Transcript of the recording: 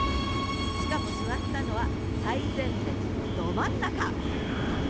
しかも座ったのは最前列のど真ん中！